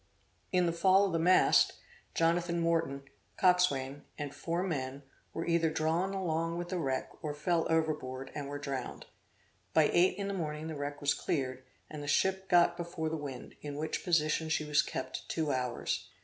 In the fall of the mast, Jonathan Moreton, coxswain, and four men, were either drawn along with the wreck, or fell overboard and were drowned. By eight in the morning the wreck was cleared, and the ship got before the wind, in which position she was kept two hours.